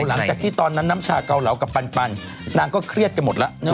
หลังจากที่ตอนนั้นน้ำชาเกาเหลากับปันนางก็เครียดกันหมดแล้ว